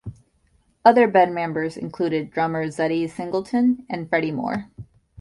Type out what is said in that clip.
Other band members included drummers Zutty Singleton and Freddie Moore.